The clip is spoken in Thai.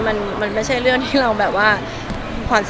มันไม่ใช่เรื่องที่เราแบบว่า